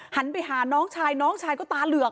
หันไปหาน้องชายน้องชายก็ตาเหลือก